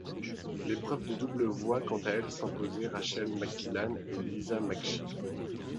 L'épreuve de double voit quant à elle s'imposer Rachel McQuillan et Lisa McShea.